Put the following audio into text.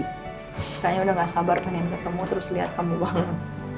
kayaknya udah nggak sabar pengen ketemu terus liat kamu banget